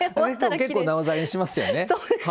結構、なおざりにしますよね。